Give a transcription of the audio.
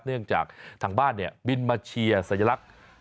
เนื่องจากทางบ้านบินมาเชียร์สัญลักษณ์